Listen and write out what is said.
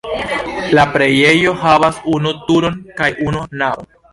La preĝejo havas unu turon kaj unu navon.